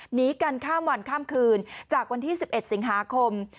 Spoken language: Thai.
หนีกันข้ามวันข้ามคืนจากวันที่๑๑สิงหาคม